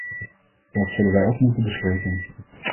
Dat zullen wij ook moeten bespreken.